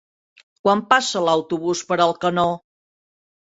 Quan passa l'autobús per Alcanó?